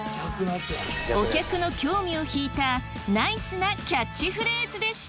お客の興味を引いたナイスなキャッチフレーズでした！